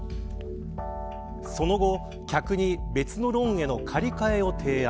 その後、客に別のローンへの借り換えを提案。